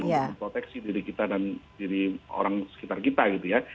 untuk memproteksi diri kita dan diri orang sekitar kita gitu ya